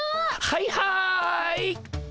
はいはい。